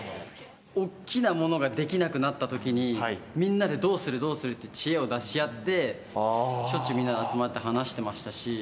大きなものができなくなったときに、みんなでどうする、どうするって知恵を出し合って、しょっちゅうみんなで集まって話してましたし。